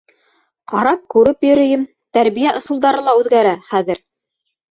Ҡарап-күреп йөрөйөм, тәрбиә ысулдары ла үҙгәрә хәҙер.